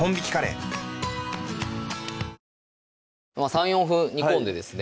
３４分煮込んでですね